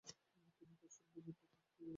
তিনি কাশিমবাজার রাজ পরিবারের আইনি উপদেষ্টা ছিলেন।